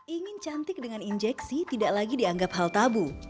ingin cantik dengan injeksi tidak lagi dianggap hal tabu